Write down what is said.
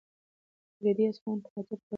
رېدي د اصفهان فاتح په توګه په تاریخ کې ثبت شو.